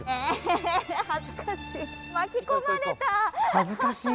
恥ずかしい。